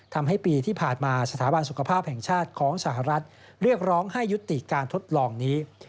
ทำให้ปีที่ผ่านมาสถาบันสุขภาพแห่งชาติของสหรัฐเรียกร้องให้ยุติการทดลองนี้